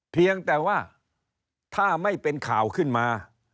เพียงแต่ว่าถ้าไม่เป็นข่าวขึ้นมา